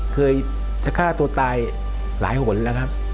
เคยจะฆ่าตัวตายหลายหนแล้วครับ